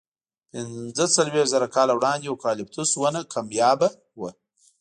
پینځهڅلوېښت زره کاله وړاندې اوکالیپتوس ونه کمیابه وه.